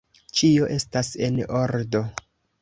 Ĉio estas en ordo!